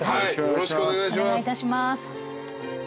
よろしくお願いします。